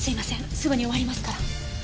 すぐに終わりますから。